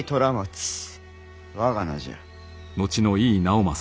我が名じゃ。